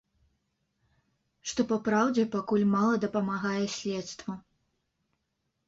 Што, па праўдзе, пакуль мала дапамагае следству.